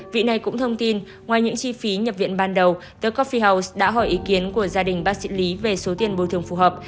vị này cũng thông tin ngoài những chi phí nhập viện ban đầu the cophi house đã hỏi ý kiến của gia đình bác sĩ lý về số tiền bồi thường phù hợp